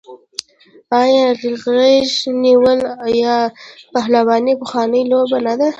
آیا غیږ نیول یا پهلواني پخوانۍ لوبه نه ده؟